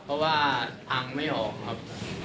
แต่อ้างไม่ออกครับ